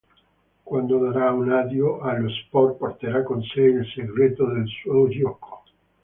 Quando darà un addio allo sport porterà con sé il segreto del suo giuoco.